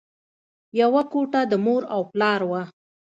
یوه کوټه د مور او پلار وه